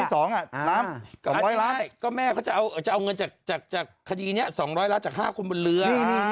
อันนี้ก็แม่เขาจะเอาเงินขดีนี้๒๐๐ล้านจาก๕คนบนเรือ